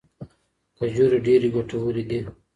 کجورې ډیرې ګټورې دي.